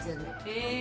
へえ。